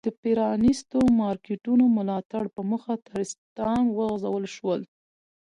د پ رانیستو مارکېټونو ملاتړ په موخه ټرستان وغورځول شول.